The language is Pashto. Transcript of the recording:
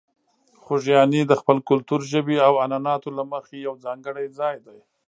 خوږیاڼي د خپل کلتور، ژبې او عنعناتو له مخې یو ځانګړی ځای دی.